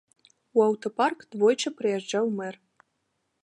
У аўтапарк двойчы прыязджаў мэр.